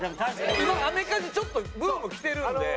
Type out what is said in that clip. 今アメカジちょっとブームきてるんで。